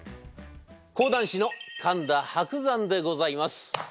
講談師の神田伯山でございます。